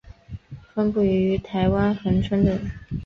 分布于台湾恒春等。